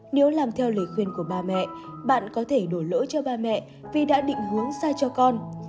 nếu làm theo lời khuyên của bà mẹ bạn có thể đổi lỗi cho ba mẹ vì đã định hướng sai cho con